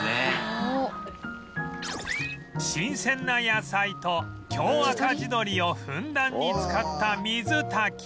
新鮮な野菜と京赤地どりをふんだんに使った水炊き